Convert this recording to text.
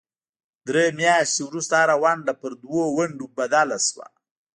درې میاشتې وروسته هره ونډه پر دوو ونډو بدله شوه.